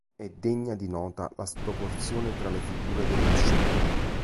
È degna di nota la sproporzione tra le figure della scena.